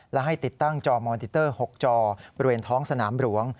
และให้ติดตั้งจอมอนติเตอร์๖จอบริเวณท้องสนามหลวง